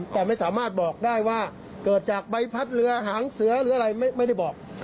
แต่ไม่สามารถบอกได้ว่าเกิดจากใบพัดเรือหางเสือหรืออะไรไม่ได้บอก